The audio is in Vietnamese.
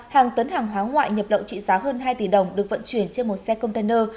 hàng tấn hàng hóa ngoại nhập lậu trị giá hơn hai tỷ đồng được vận chuyển trên một xe container